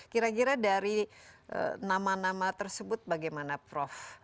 kira kira dari nama nama tersebut bagaimana prof